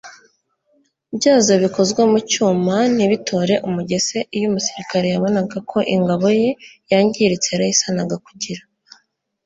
byazo bikozwe mu cyuma ntibitore umugese Iyo umusirikare yabonaga ko ingabo ye yangiritse yarayisanaga kugira